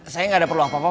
saya gak ada perlu apa apa